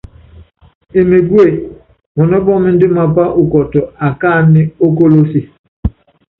Emegúe, mɔnɔ́ pɔ́ɔmindɛ mapá ukɔtɔ akáánɛ ókolose.